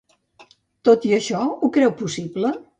Tot i això, ho creu possible?